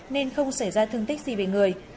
nên không xảy ra thương tích gì về người